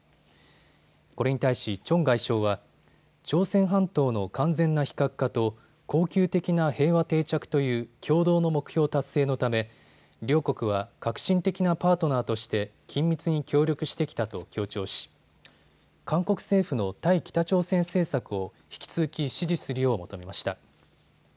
これに対しチョン外相は朝鮮半島の完全な非核化と恒久的な平和定着という共同の目標達成のため両国は核心的なパートナーとして緊密に協力してきたと強調し韓国政府の対北朝鮮政策を引き続き支持するよう求めました。